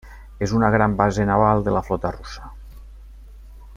És una gran base naval de la flota russa.